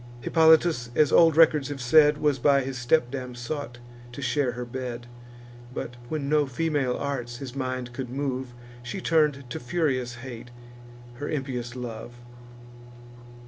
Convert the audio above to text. Hippolytus, as old records have said, Was by his stepdam sought to share her bed; But, when no female arts his mind could move, She turn'd to furious hate her impious love.